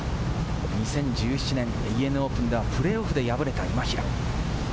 ２０１７年、ＡＮＡオープンではプレーオフで敗れた今平。